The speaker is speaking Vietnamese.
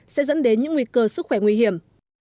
sẽ dẫn đến những nguy cơ sức khỏe nguy hiểm